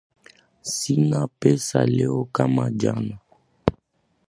Sina pesa leo kama jana